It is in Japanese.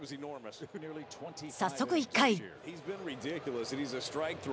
早速１回。